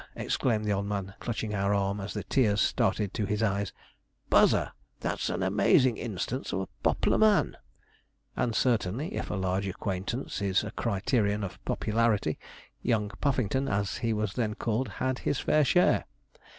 exclaimed the old man, clutching our arm, as the tears started to his eyes, 'Buzzer! that's an am_aa_zin' instance of a pop'lar man!' And certainly, if a large acquaintance is a criterion of popularity, young Puffington, as he was then called, had his fair share.